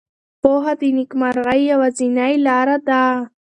پوهه د نېکمرغۍ یوازینۍ لاره ده.